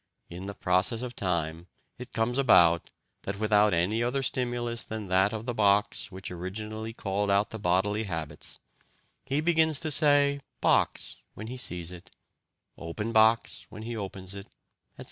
In the process of time it comes about that without any other stimulus than that of the box which originally called out the bodily habits, he begins to say 'box' when he sees it, 'open box' when he opens it, etc.